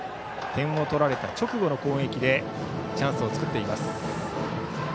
点を取られた直後の攻撃でチャンスを作っています。